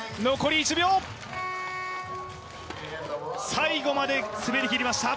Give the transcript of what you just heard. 最後まで滑りきりました。